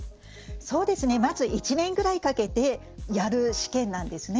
まず、１年ぐらいかけてやる試験なんですね。